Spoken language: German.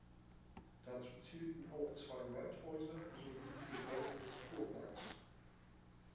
Dazu zählten auch zwei Waldhäuser sowie die Gebäude des Vorwerks.